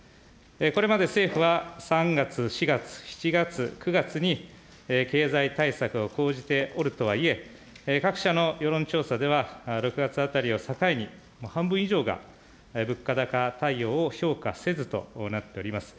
これまで政府は３月、４月、７月、９月に経済対策を講じておるとはいえ、各社の世論調査では６月当たりを境に、半分以上が物価高対応を評価せずとなっております。